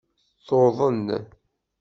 Tuḍen.